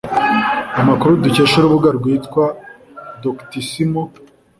Amakuru dukesha urubuga rwitwa doctissimo